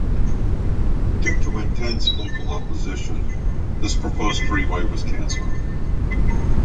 Due to intense local opposition, this proposed freeway was cancelled.